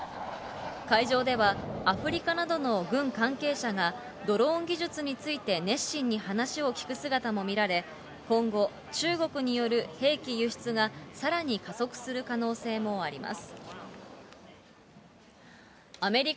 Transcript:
会場ではアフリカなどの軍関係者がドローン技術について熱心に話を聞く姿も見られ、今後中国による兵器輸出がさらに加速する可能性もあります。